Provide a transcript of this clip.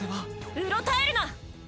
うろたえるな！